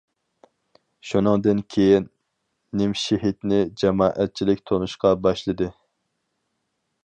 شۇنىڭدىن كېيىن نىمشېھىتنى جامائەتچىلىك تونۇشقا باشلىدى.